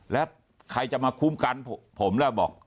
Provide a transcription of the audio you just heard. แล้วใครจะมาคุ้มกันผมแล้วบอก